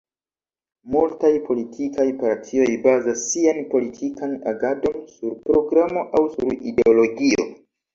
Multaj politikaj partioj bazas sian politikan agadon sur programo aŭ sur ideologio.